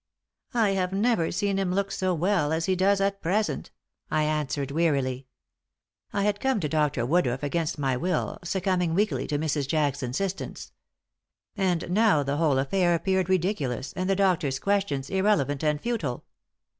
"I have never seen him look so well as he does at present," I answered, wearily. I had come to Dr. Woodruff against my will, succumbing weakly to Mrs. Jack's insistence. And now the whole affair appeared ridiculous and the doctor's questions irrelevant and futile.